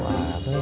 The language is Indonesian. wah baik banget ya